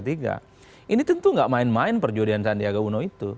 ini tentu gak main main perjudian sandiaga uno itu